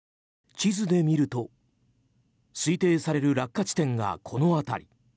地図で見ると推定される落下地点がこの辺り。